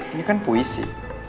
ini kan puisi